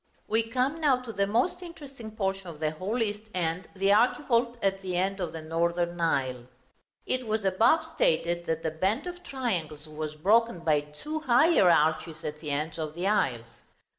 We come now to the most interesting portion of the whole east end, the archivolt at the end of the northern aisle. It was above stated, that the band of triangles was broken by two higher arches at the ends of the aisles.